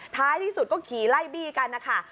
ท้ายที่สุดก็ขี่ไล่บี้กันนะคะ